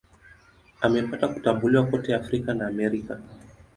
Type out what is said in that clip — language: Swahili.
Amepata kutambuliwa kote Afrika na Amerika.